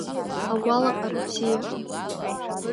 Агәалаҟара бзиа…